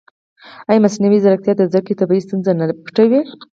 ایا مصنوعي ځیرکتیا د زده کړې طبیعي ستونزې نه پټوي؟